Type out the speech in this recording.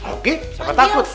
oke siapa takut